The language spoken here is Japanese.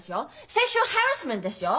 セクシャル・ハラスメントですよ！